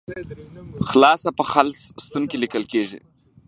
خلاصه په خلص ستون کې لیکل کیږي.